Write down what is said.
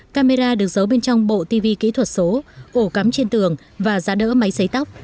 camera được giấu bên trong bộ tv kỹ thuật số ổ cắm trên tường và giá đỡ máy xấy tóc